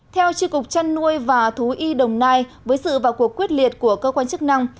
theo tri cục trăn nuôi và thú y đồng nai với sự vào cuộc quyết liệt của cơ quan chức năng